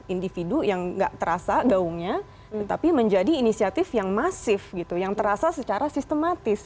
individu yang nggak terasa gaungnya tetapi menjadi inisiatif yang masif gitu yang terasa secara sistematis